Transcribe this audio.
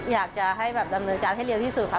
อยากจะให้แบบดำเนินการให้เร็วที่สุดค่ะ